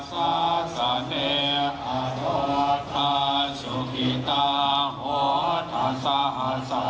รูปที่สามดอกเตอร์ชวีรัฐเกษตรสุนทรผู้ช่วยรัฐมนตรีประจำกรสวมวัฒนธรรม